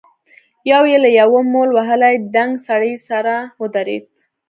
يو يې له يوه مول وهلي دنګ سړي سره ودرېد.